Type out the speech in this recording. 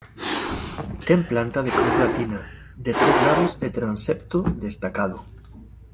Ten planta de cruz latina, de tres naves e transepto destacado.